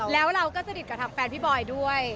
แล้วเราก็สนิทกับทางแฟนพี่บอยด้วย